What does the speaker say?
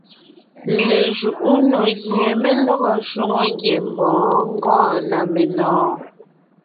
Lejuʼú nò gie mé lɔgɔ shwòŋo ngiembɔɔn gɔɔn na menɔ̀ɔn.